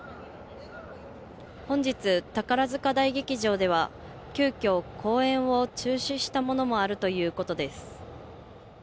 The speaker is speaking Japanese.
本日、宝塚大劇場では急遽、公演を中止したものもあるということです。